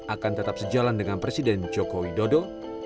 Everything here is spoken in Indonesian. akan tetap sejalan dengan presiden jokowi dodo